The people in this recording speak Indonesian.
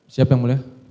siap yang boleh